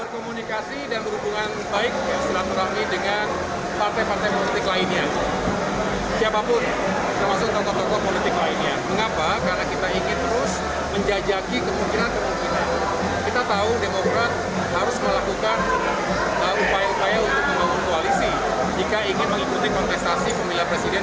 partai demokrat harus melakukan upaya upaya untuk membangun koalisi jika ingin mengikuti kontestasi pemilihan presiden dua ribu dua puluh empat